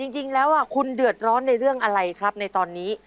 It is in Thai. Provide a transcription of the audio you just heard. จริงแล้วคุณเดือดร้อนในเรื่องอะไรครับในตอนนี้